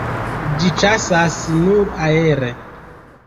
Ĝi ĉasas nur aere.